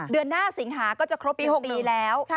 เดือนหน้าสิงหาก็จะครบปี๖ปีแล้ว